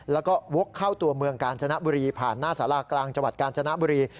แล้วก็วกเข้าตัวเมืองกาญจนบุรีผ่านหน้าสารากลางจังหวัดกาญจนบุรี